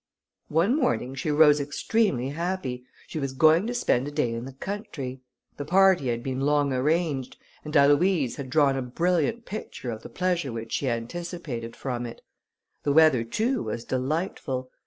One morning she rose extremely happy; she was going to spend a day in the country. The party had been long arranged, and Aloïse had drawn a brilliant picture of the pleasure which she anticipated from it. The weather, too, was delightful.